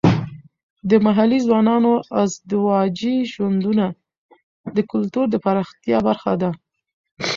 د محلي ځوانانو ازدواجي ژوندونه د کلتور د پراختیا برخه ده.